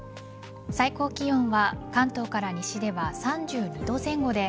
最高気温は関東から西では３２度前後で